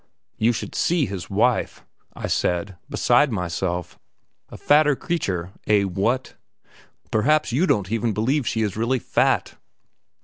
"You should see his wife!" I said, beside myself. "A fatter creature ... Eh? what? Perhaps you don't even believe she is really fat?"